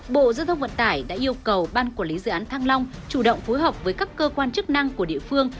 bộ giao thông vận tải đã yêu cầu ban quản lý dự án thăng long chủ động phối hợp với các cơ quan chức năng của địa phương